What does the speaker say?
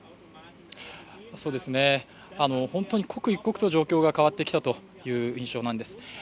本当に刻一刻と状況が変わってきたという印象なんです。